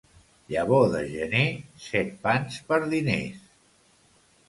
Llavor de gener, set pans per diners.